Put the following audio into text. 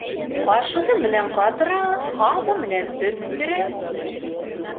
Ҡашығы менән ҡатыра, һабы менән төрттөрә.